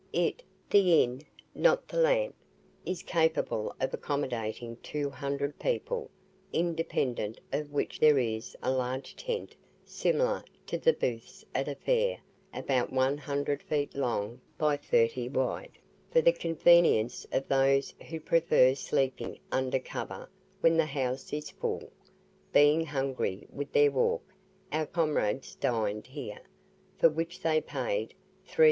It (the inn, not the lamp,) is capable of accommodating two hundred people, independent of which there is a large tent, similar to the booths at a fair, about 100 feet long by 30 wide, for the convenience of those who prefer sleeping under cover when the house is full. Being hungry with their walk, our comrades dined here, for which they paid 3s.